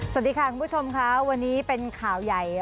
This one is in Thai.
สวัสดีค่ะคุณผู้ชมค่ะวันนี้เป็นข่าวใหญ่